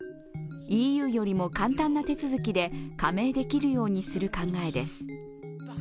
ＥＵよりも簡単な手続きで加盟できるようにする考えです。